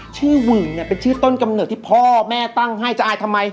หื่นเนี่ยเป็นชื่อต้นกำเนิดที่พ่อแม่ตั้งให้จะอายทำไม